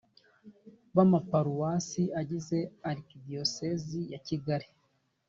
b amaparuwasi agize arikidiyosezi ya kigali